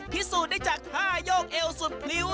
พิสูจน์ได้จาก๕โยกเอ้วสุดพิว